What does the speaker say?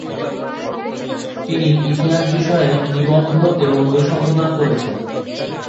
তিনি ইতিহাস বিষয়ে নিবন্ধ এবং বই সম্পাদনা করেছেন।